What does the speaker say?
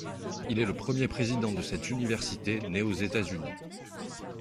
Il est le premier président de cette université né aux États-Unis.